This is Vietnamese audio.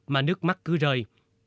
mất mắt cứ rơi